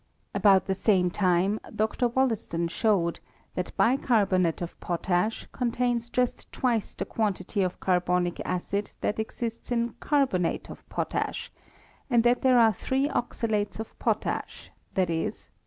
About the same time, Dr. Wollaston showed that bicarbonate of potash contains ^just twice the quan . tity of carbonic acid that exists m carbonate of pot ash; and that there are three oxalates of potash; viz.